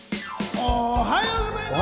おはようございます！